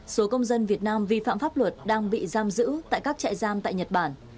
số công dân việt nam vi phạm pháp luật đang bị giam giữ tại các trại giam tại nhật bản